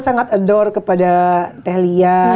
sangat adore kepada teh lia